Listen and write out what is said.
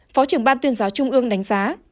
phó trưởng ban tuyên giáo trung ương đánh giá